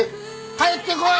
帰ってこい！